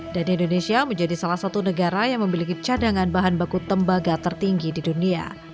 dan indonesia menjadi salah satu negara yang memiliki cadangan bahan baku tembaga tertinggi di dunia